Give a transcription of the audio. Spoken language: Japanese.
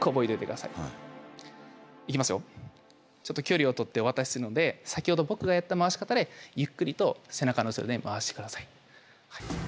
ちょっと距離を取ってお渡しするので先ほど僕がやった回し方でゆっくりと背中の後ろで回して下さい。